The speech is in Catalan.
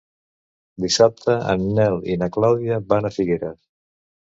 Dissabte en Nel i na Clàudia van a Figueres.